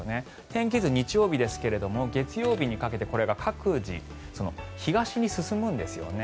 天気図、日曜日ですが月曜日にかけてこれが東に進むんですね。